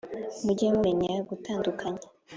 Mujye mumenya gutandukanya